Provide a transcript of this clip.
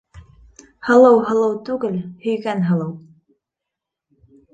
Һылыу һылыу түгел, һөйгән һылыу.